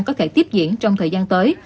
có thể tiếp diễn trong thời gian tới